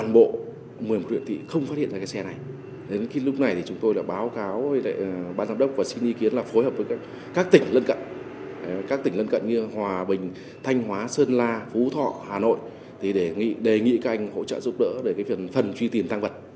bàn giám đốc xin ý kiến là phối hợp với các tỉnh lân cận như hòa bình thanh hóa sơn la phú thọ hà nội để đề nghị các anh hỗ trợ giúp đỡ để phần truy tìm tăng vật